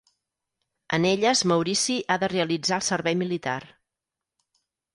En elles Maurici ha de realitzar el servei militar.